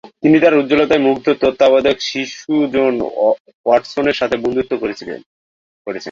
তিনি তাঁর উজ্জ্বলতায় মুগ্ধ তত্ত্বাবধায়ক শিশু জন ওয়াটসনের সাথে বন্ধুত্ব করেছেন।